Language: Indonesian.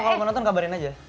kalau mau nonton kabarin aja